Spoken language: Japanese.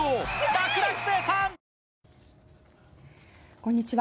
こんにちは。